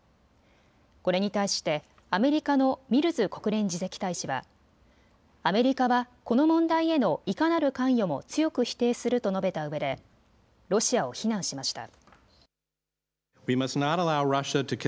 これに対してアメリカのミルズ国連次席大使はアメリカはこの問題へのいかなる関与も強く否定すると述べたうえでロシアを非難しました。